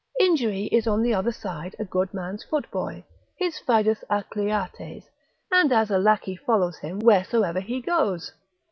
Injury is on the other side a good man's footboy, his fidus Acliates, and as a lackey follows him wheresoever he goes.